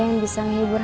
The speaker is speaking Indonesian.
aku pengen pake